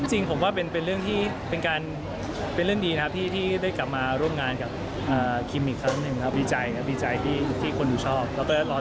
จริงผมว่าเป็นเรื่องที่เป็นเรื่องดีนะครับที่ได้กลับมาร่วมงานกับคิมอีกครั้งหนึ่งครับดีใจครับดีใจที่คนดูชอบแล้วก็ร้อน